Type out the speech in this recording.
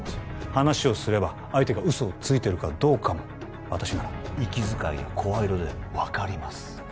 話をすれば相手が嘘をついてるかどうかも私なら息遣いや声色で分かります